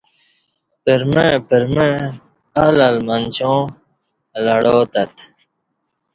پرمع پرمع آل آل منچاں لڑاتت